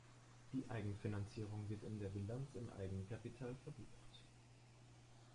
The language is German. Die Eigenfinanzierung wird in der Bilanz im Eigenkapital verbucht.